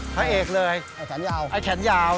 พระเอกเลยไอ้แขนยาว